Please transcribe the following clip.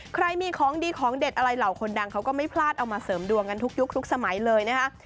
ใครมีของดีของเด็ดอะไรเหล่าคนดังเขาก็ไม่พลาดเอามาเสริมดวงกันทุกยุคทุกสมัยเลยนะคะ